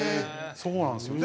そうなんですよ。